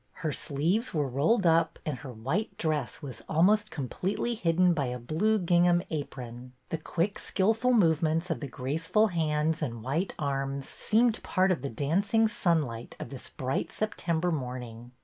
Her sleeves were rolled up, and her white dress was almost com pletely hidden by a blue gingham apron. The quick, skilful movements of the graceful hands and white arms seemed part of the danc ing sunlight of this bright September morning.